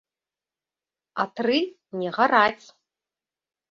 А тры не гараць!